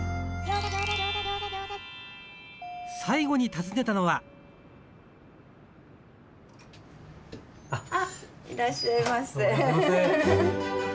最後に訪ねたのはあっいらっしゃいませ。